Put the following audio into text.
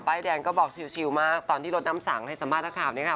แดงก็บอกชิลมากตอนที่รถน้ำสังให้สัมภาษณ์ข่าวนี้ค่ะ